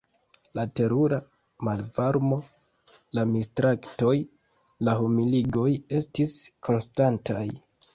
La terura malvarmo, la mistraktoj, la humiligoj estis konstantaj.